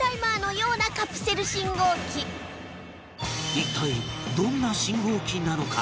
一体どんな信号機なのか？